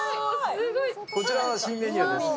こちらは新メニューです。